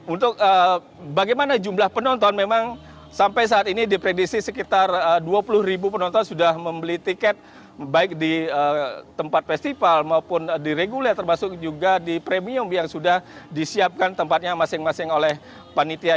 untuk bagaimana jumlah penonton memang sampai saat ini dipredisi sekitar dua puluh ribu penonton sudah membeli tiket baik di tempat festival maupun di reguler termasuk juga di premium yang sudah disiapkan tempatnya masing masing oleh panitia